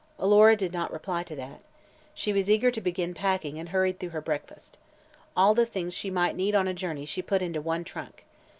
Alora did not reply to that. She was eager to begin packing and hurried through her breakfast. All the things she might need on a journey she put into one trunk.